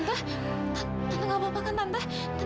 kalau gak apa apa kan tante